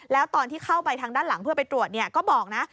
แล้วตอนที่เข้าไปทางด้านหลังเพื่อไปตรวจก็บอกนะ